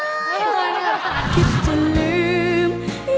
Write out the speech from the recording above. ยังไม่ได้เลย